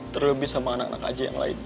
terlebih sama anak anak aja yang lain